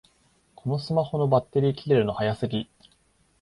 このスマホのバッテリー切れるの早すぎ